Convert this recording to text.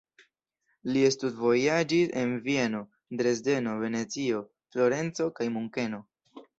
Li studvojaĝis en Vieno, Dresdeno, Venecio, Florenco kaj Munkeno.